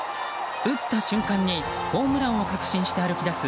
打った瞬間にホームランを確信して歩き出す